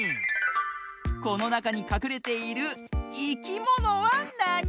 このなかにかくれているいきものはなに？